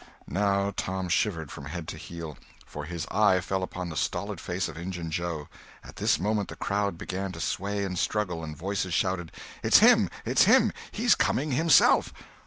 Now Tom shivered from head to heel; for his eye fell upon the stolid face of Injun Joe. At this moment the crowd began to sway and struggle, and voices shouted, "It's him! it's him! he's coming himself!"